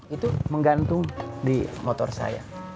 itu menggantung di motor saya